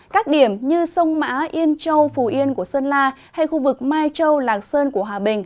các điểm như sông mã yên châu phù yên của sơn la hay khu vực mai châu lạc sơn của hòa bình